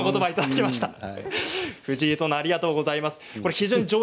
藤井殿ありがとうございます。